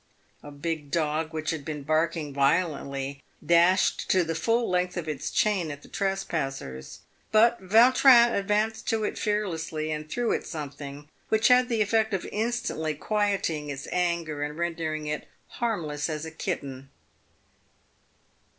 A big dog, which had been barking violently, dashed to the full length of its chain at the trespassers ; but Vautrin advanced to it fearlessly, and threw it something which had the effect of instantly quieting its anger and rendering it harmless as a kitten.